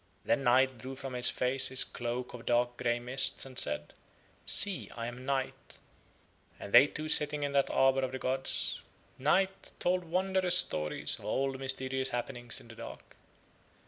Then Night drew from his face his cloak of dark grey mists and said: "See, I am Night," and they two sitting in that arbour of the gods, Night told wondrous stories of old mysterious happenings in the dark.